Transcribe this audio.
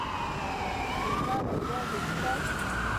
يو ږغ يې واورېد: صېب!